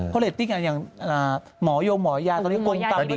เพราะเรทติ้งอ่ะอย่างหมอยโยงหมอยยาตอนนี้กลมกลับก็ดี